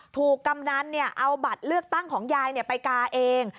ถูกกำนันเนี่ยเอาบัตรเลือกตั้งของยายเนี่ยไปกาเอง